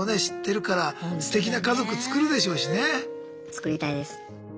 知ってるからすてきな家族作るでしょうしね。作りたいです。